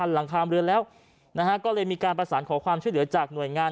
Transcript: หลังคามเรือแล้วก็เลยมีการประสานขอความช่วยเหลือจากหน่วยงาน